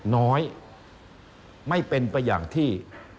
น้อยไม่เป็นไปอย่างที่